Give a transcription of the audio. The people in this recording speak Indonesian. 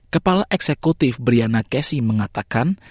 kepala eksekutif brianna gacy mengatakan